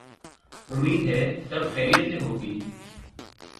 امید ہے سب خیریت ہو گی۔